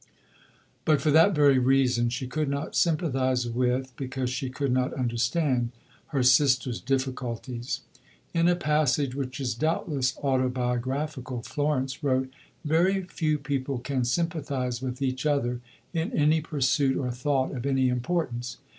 But for that very reason she could not sympathize with, because she could not understand, her sister's difficulties. In a passage which is doubtless autobiographical, Florence wrote: "Very few people can sympathise with each other in any pursuit or thought of any importance.